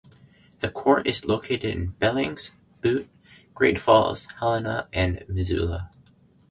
The court is located in Billings, Butte, Great Falls, Helena and Missoula.